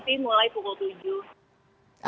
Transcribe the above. nanti mulai pukul tujuh